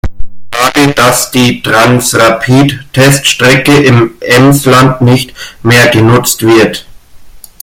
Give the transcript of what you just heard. Schade, dass die Transrapid-Teststrecke im Emsland nicht mehr genutzt wird.